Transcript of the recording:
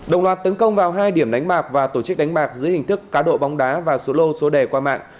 đồng loạt tấn công vào hai điểm đánh bạc và tổ chức đánh bạc dưới hình thức cá độ bóng đá và số lô số đề qua mạng